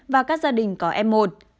và các gia đình có f một